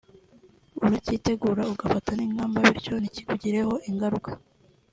urakitegura ugafata n’ingamba bityo ntikikugireho inguruka